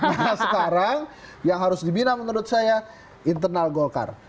karena sekarang yang harus dibina menurut saya internal golkar